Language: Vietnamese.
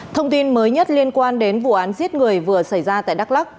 thông tin mới nhất liên quan đến vụ án giết người vừa xảy ra tại đắk lắc